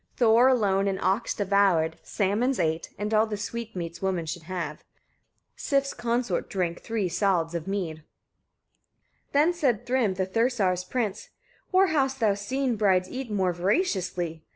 Thor alone an ox devoured, salmons eight, and all the sweetmeats women should have. Sif's consort drank three salds of mead. 26. Then said Thrym, the Thursar's prince: "Where hast thou seen brides eat more voraciously?